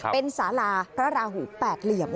เป็นสาราพระราหูแปดเหลี่ยม